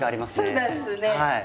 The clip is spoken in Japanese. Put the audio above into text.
そうなんですね。